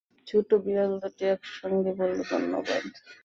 ছোট বিড়াল দুটি একসঙ্গে বলল, ধন্যবাদ।